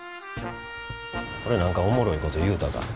俺何かおもろいこと言うたか？